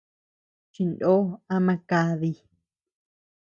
Chindo ama kadi.